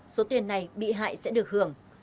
số tiền này bị hại sẽ được hưởng